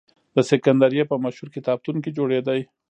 د سکندریه په مشهور کتابتون کې جوړېده.